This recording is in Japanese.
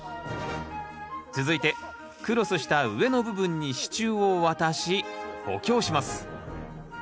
続いてクロスした上の部分に支柱を渡し補強します。